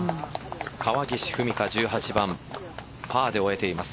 川岸史果１８番、パーで終えています。